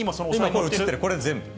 今映ってる、これ全部。